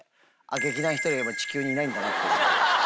劇団ひとりは地球に今いないんだなって。